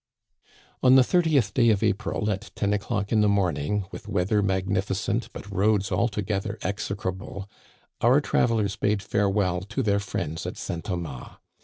On the 30th day of April, at ten o'clock in the morn ing, with weather magnificent but roads altogether exe crable, our travelers bade farewell to their friends at St. Thomas.